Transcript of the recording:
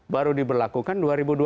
baru diberlakukan dua ribu dua puluh